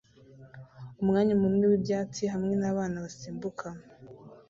Umwanya munini wibyatsi hamwe nabana basimbuka